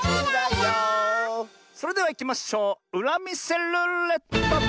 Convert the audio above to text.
それではいきましょううらみせルーレット！